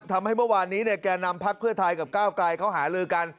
ทำให้เมื่อวานนี้แก่นำพักเพื่อไทยกับก้าวไกลเขาหาลือกัน